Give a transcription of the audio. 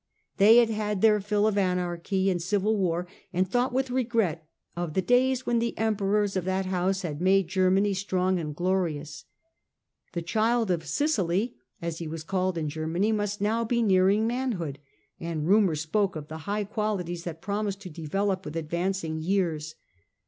They had had their fill of anarchy and civil war and thought with regret of the days when the Emperors of that house had made Ger many strong and glorious. ' The Child of Sicily,' as he was called in Germany, must now be nearing manhood, and rumour spoke of the high qualities that promised to develop with advancing years.